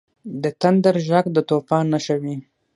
• د تندر ږغ د طوفان نښه وي.